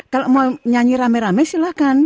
kalau mau nyanyi rame rame silahkan